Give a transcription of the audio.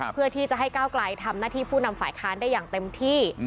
เพื่อที่จะให้ก้าวไกลทำหน้าที่ผู้นำฝ่ายค้านได้อย่างเต็มที่